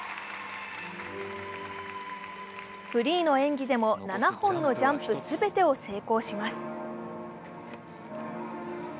フリーの演技でも７本のジャンプ、全てを成功します。